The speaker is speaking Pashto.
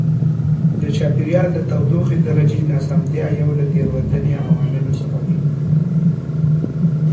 د چاپېریال د تودوخې درجې ناسمتیا یو له تېروتنې عواملو څخه دی.